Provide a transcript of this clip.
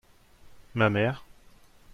ma mère.